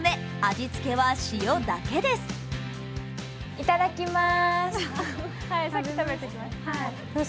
いただきまーす。